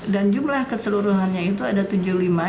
dan jumlah keseluruhannya itu ada tujuh lima